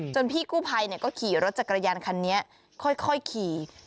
จนพี่กู้ไพก็ขี่รถจากกระยานยนต์คันนี้ค่อยขี่